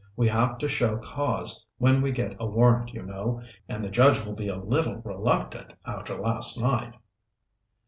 We have to show cause when we get a warrant, you know, and the judge will be a little reluctant after last night."